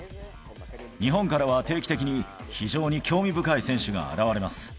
日本からは定期的に非常に興味深い選手が現れます。